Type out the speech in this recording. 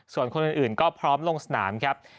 ส่วนคนอื่นก็พร้อมลงสนามครับ